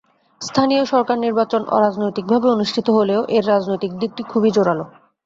স্থানীয় সরকার নির্বাচন অরাজনৈতিকভাবে অনুষ্ঠিত হলেও এর রাজনৈতিক দিকটি খুবই জোরালো।